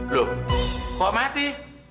loh kok mati